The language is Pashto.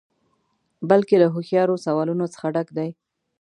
بلکې له هوښیارو سوالونو څخه ډک دی.